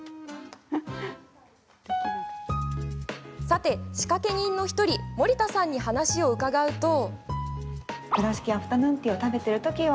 さて、仕掛け人の１人森田さんにお話を伺うと。